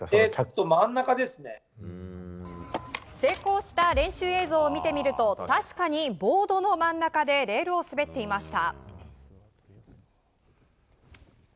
成功した練習映像を見てみると確かにボードの真ん中でレールを滑っていました。